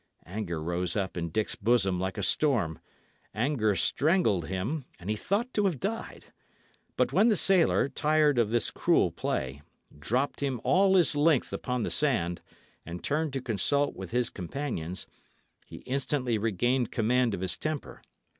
Anger rose up in Dick's bosom like a storm; anger strangled him, and he thought to have died; but when the sailor, tired of this cruel play, dropped him all his length upon the sand and turned to consult with his companions, he instantly regained command of his temper.